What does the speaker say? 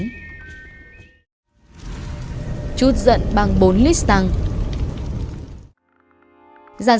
hụt giận bằng bốn lít xăng